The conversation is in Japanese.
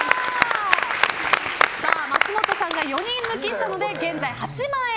松本さんが４人抜きしたので現在８万円